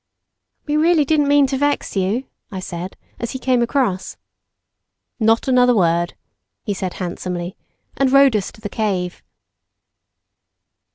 "We really didn't mean to vex you," I said, as he came across. "Not another word," he said handsomely, and rowed us to the cave.